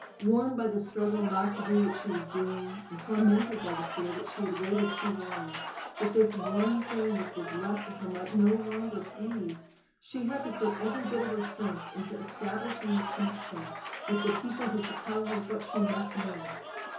Worn by the struggle not to do what she was doing, and tormented by the fear that she had waited too long, that this one thing which was left to her might no longer be, she had to put every bit of her strength into establishing this connection with the people who could tell her what she must know.